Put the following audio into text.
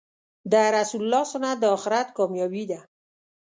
د رسول الله سنت د آخرت کامیابې ده .